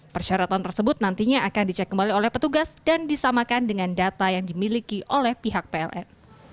persyaratan tersebut nantinya akan dicek kembali oleh petugas dan disamakan dengan data yang dimiliki oleh pihak pln